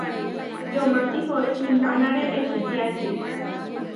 Yomá tihoé simpanáre ečitiáči.